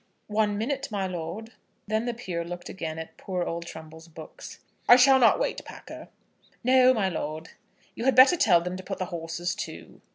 "One minute, my lord." Then the peer looked again at poor old Trumbull's books. "I shall not wait, Packer." "No, my lord." "You had better tell them to put the horses to."